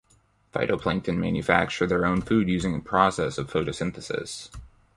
Phytoplankton manufacture their own food using a process of photosynthesis.